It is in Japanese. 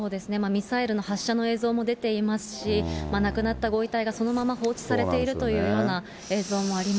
ミサイルの発射の映像も出ていますし、亡くなったご遺体がそのまま放置されているというような映像もあ